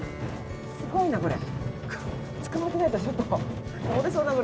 すごいなこれ。